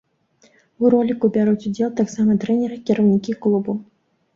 У роліку бяруць удзел таксама трэнеры і кіраўнікі клубу.